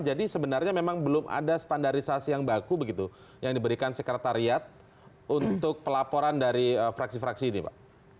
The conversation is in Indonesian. jadi sebenarnya memang belum ada standarisasi yang baku begitu yang diberikan sekretariat untuk pelaporan dari fraksi fraksi ini pak